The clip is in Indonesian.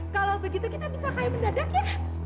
kalau begitu kita bisa kayak mendadak ya